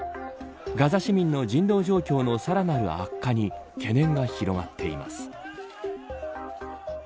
ガザ市民の人道状況のさらなる悪化に懸念が広がっています。